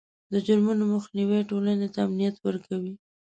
د جرمونو مخنیوی ټولنې ته امنیت ورکوي.